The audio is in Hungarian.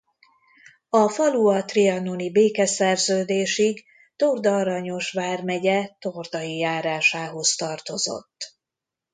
A falu a trianoni békeszerződésig Torda-Aranyos vármegye Tordai járásához tartozott.